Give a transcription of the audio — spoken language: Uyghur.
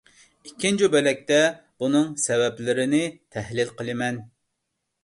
ئىككىنچى بۆلەكتە بۇنىڭ سەۋەبلىرىنى تەھلىل قىلىمەن.